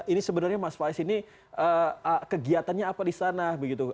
ini sebenarnya mas faiz ini kegiatannya apa di sana begitu